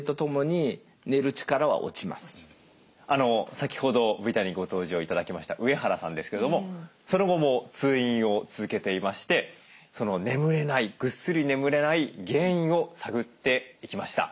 先ほどＶＴＲにご登場頂きました上原さんですけれどもその後も通院を続けていまして眠れないぐっすり眠れない原因を探っていきました。